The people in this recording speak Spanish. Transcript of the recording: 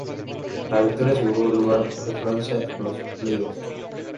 La victoria aseguró el lugar de Francia en los play-offs.